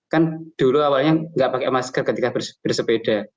ketika bersepeda itu kan dulu awalnya nggak pakai masker ketika bersepeda